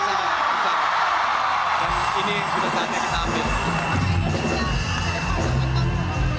dan ini sudah saatnya kita ambil